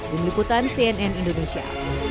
dung liputan cnn indonesia